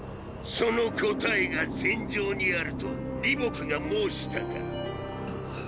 その答えが戦場にあると李牧が申したか。